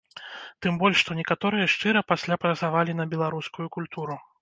Тым больш, што некаторыя шчыра пасля працавалі на беларускую культуру.